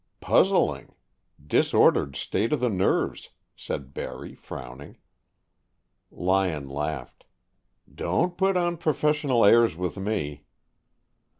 "Puzzling. Disordered state of the nerves," said Barry, frowning. Lyon laughed. "Don't put on professional airs with me."